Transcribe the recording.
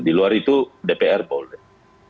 di luar itu dpr boleh